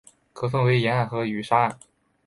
可分为岩岸与沙岸。